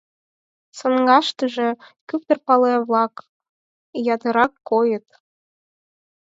Саҥгаштыже куптыр пале-влакат ятырак койыт.